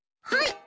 はい！